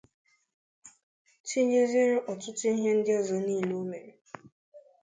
tinyeziere ọtụtụ ihe ndị ọzọ niile o mere.